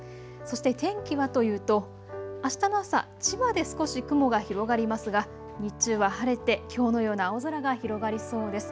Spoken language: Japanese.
そして天気はというと、あしたの朝、千葉で少し雲が広がりますが日中は晴れて、きょうのような青空が広がりそうです。